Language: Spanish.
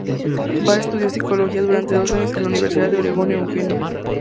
Bae estudió psicología durante dos años en la Universidad de Oregón en Eugene, Oregón.